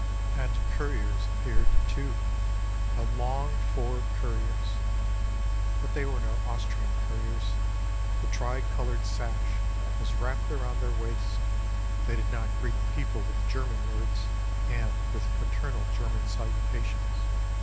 And couriers appeared, too, the longed for couriers! But they were no Austrian couriers; the tricolored sash was wrapped around their waists ; they did not greet the people with German words and with fraternal German salutations.